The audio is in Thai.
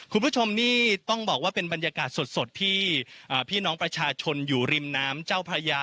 คุณผู้ชมนี่ต้องบอกว่าเป็นบรรยากาศสดที่พี่น้องประชาชนอยู่ริมน้ำเจ้าพระยา